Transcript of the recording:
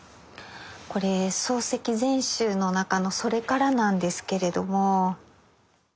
これ「漱石全集」の中の「それから」なんですけれども。